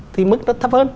thì mức nó thấp hơn